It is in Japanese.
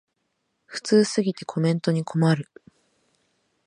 普通すぎてコメントに困る